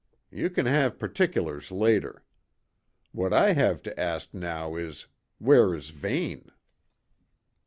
Ye can have particulars later. What I have to ask now is: Where is Vane?"